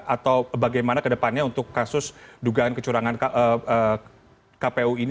atau bagaimana kedepannya untuk kasus dugaan kecurangan kpu ini